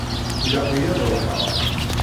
Ilaq-iyi ad ruḥeɣ.